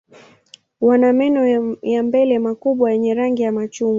Wana meno ya mbele makubwa yenye rangi ya machungwa.